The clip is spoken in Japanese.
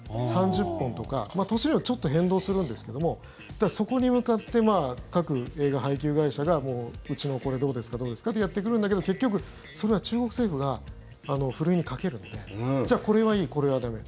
３０本とか、年によってちょっと変動するんですけどもそこに向かって各映画配給会社がうちのこれ、どうですか？ってやってくるんだけど結局それは中国政府がふるいにかけるのでじゃあ、これはいいこれは駄目。